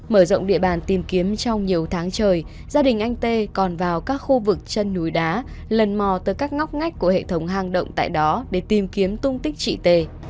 mở rộng địa bàn tìm kiếm trong nhiều tháng trời gia đình anh tê còn vào các khu vực chân núi đá lần mò tới các ngóc ngách của hệ thống hang động tại đó để tìm kiếm tung tích chị tề